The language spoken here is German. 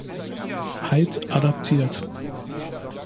Hyde adaptiert.